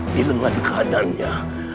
di lengan kanannya